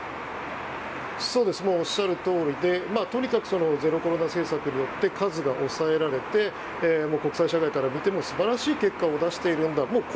おっしゃるとおりでとにかくゼロコロナ政策によって数が抑えられて国際社会から見ても素晴らしい結果を出しているんだ。